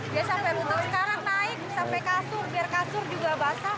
dia sampai lutut sekarang naik sampai kasur biar kasur juga basah